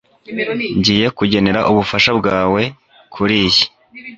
ngiye gukenera ubufasha bwawe kuriyi